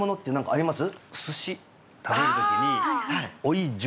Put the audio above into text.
あります